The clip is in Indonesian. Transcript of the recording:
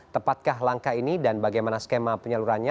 tepatkah langkah ini dan bagaimana skema penyalurannya